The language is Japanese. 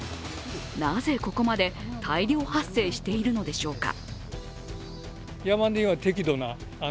なぜここまで大量発生しているのでしょうか。